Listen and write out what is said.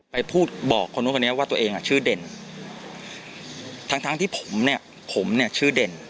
ไปพูดบอกคนนู้นคนนี้ว่าตัวเองอ่ะชื่อเด่นทั้งทั้งที่ผมเนี่ยผมเนี่ยชื่อเด่น